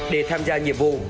để tham gia nhiệm vụ